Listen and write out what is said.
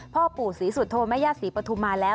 พ่อปู่ศรีสุโธแม่ย่าศรีปฐุมาแล้ว